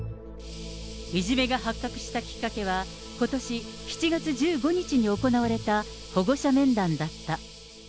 いじめが発覚したきっかけは、ことし７月１５日に行われた保護者面談だった。